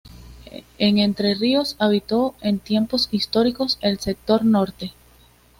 En Entre Ríos habitó en tiempos históricos el sector norte.